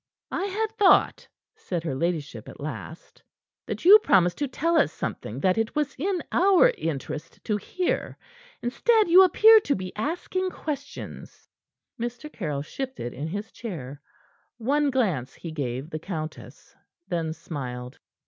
"I had thought," said her ladyship at last, "that you promised to tell us something that it was in our interest to hear. Instead, you appear to be asking questions." Mr. Caryll shifted in his chair. One glance he gave the countess, then smiled.